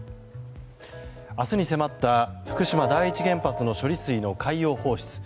明日に迫った福島第一原発の処理水の海洋放出。